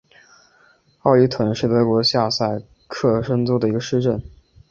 奥伊滕是德国下萨克森州的一个市镇。